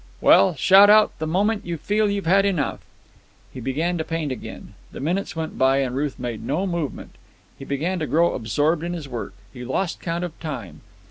"Well, shout out the moment you feel you've had enough." He began to paint again. The minutes went by and Ruth made no movement. He began to grow absorbed in his work. He lost count of time.